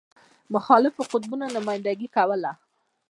مخالفو قطبونو نمایندګي کوله.